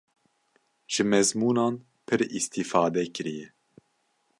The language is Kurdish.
ji mezmûnan pir îstîfade kiriye.